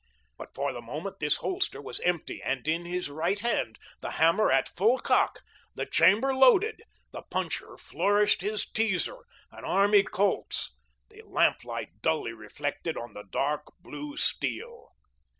But for the moment this holster was empty, and in his right hand, the hammer at full cock, the chamber loaded, the puncher flourished his teaser, an army Colt's, the lamplight dully reflected in the dark blue steel.